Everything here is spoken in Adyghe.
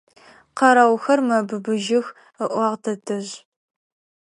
Къэрэухэр мэбыбыжьых, – ыӏуагъ тэтэжъ.